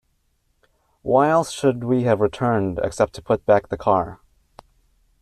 Why else should he have returned except to put back the car?